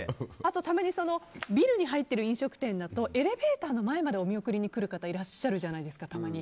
たまにビルに入っている飲食店だとエレベーターの前までお見送りに来る方いらっしゃるじゃないですかたまに。